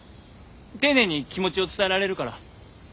丁寧に気持ちを伝えられるから。